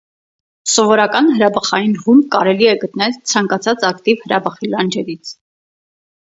Սովորական հրաբխային ռումբ կարելի է գտնել ցանկացած ակտիվ հրաբխի լանջերից։